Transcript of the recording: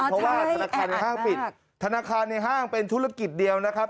เพราะว่าธนาคารในห้างปิดธนาคารในห้างเป็นธุรกิจเดียวนะครับ